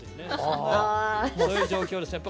そういう状況ですね。